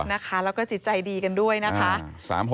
แล้วก็จิตใจดีกันด้วยนะคะ